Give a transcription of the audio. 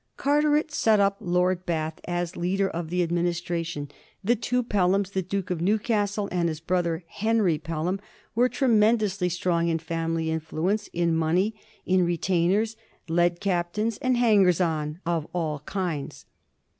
Carteret set up Lord Bath as leader of the Adminis tration. The two Pelhams — the Duke of Newcastle and his brother, Henry Pelham — were tremendously strong in family influence, in money, in retainers, led captains, and hangei*s on of all kinds.